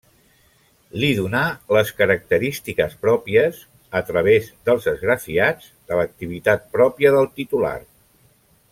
Li donà les característiques pròpies, a través dels esgrafiats, de l'activitat pròpia del titular.